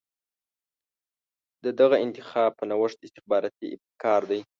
د دغه انتخاب په نوښت استخباراتي ابتکار دی.